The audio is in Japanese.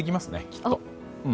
きっと。